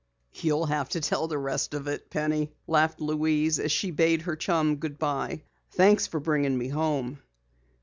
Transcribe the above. "You'll have to tell the rest of it, Penny," laughed Louise as she bade her chum good bye. "Thanks for bringing me home."